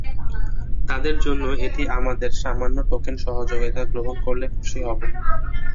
তাদের জন্য এটি আমাদের সামান্য টোকেন সহযোগিতা, গ্রহণ করলে খুশি হব।